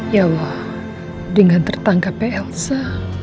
ya wah dengan tertangkapnya elsa